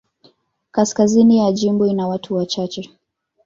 Kaskazini ya jimbo ina watu wachache.